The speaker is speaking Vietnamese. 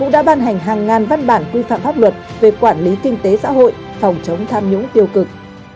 đảng quy phạm pháp luật về quản lý kinh tế xã hội phòng chống tham nhũng tiêu cực